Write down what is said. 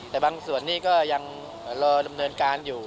แต่บางส่วนนี้ก็ยังรอดำเนินการอยู่